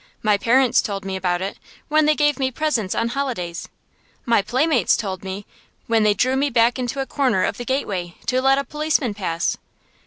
My parents told me about it, when they gave me presents on holidays. My playmates told me, when they drew me back into a corner of the gateway, to let a policeman pass.